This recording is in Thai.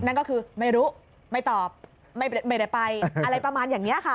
นั่นก็คือไม่รู้ไม่ตอบไม่ได้ไปอะไรประมาณอย่างนี้ค่ะ